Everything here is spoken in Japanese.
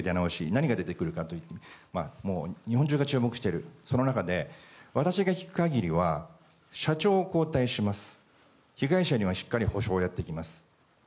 何が出てくるかともう日本中が注目している中で私が聞く限りは社長を交代します被害者にはしっかり補償をやっていきます。